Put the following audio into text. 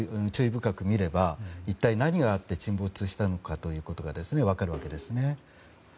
深く見れば一体何があって沈没したのかということが分かるわけです。